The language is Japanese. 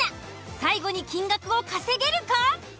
最後に金額を稼げるか？